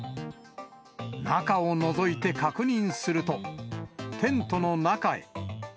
中をのぞいて確認すると、テントの中へ。